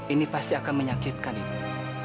ini pasti akan menyakitkan ibu